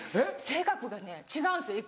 性格がね違うんですよ